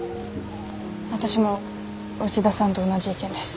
私も内田さんと同じ意見です。